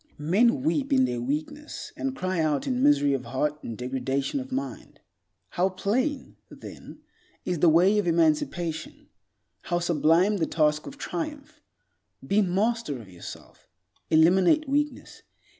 Men weep in their weakness, and cry out in misery of heart and degradation of mind. How plain, then, is the way of emancipation; how sublime the task of triumph! Be master of yourself. Eliminate weakness.